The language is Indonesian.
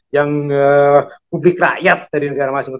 yang publik rakyat dari negara masing masing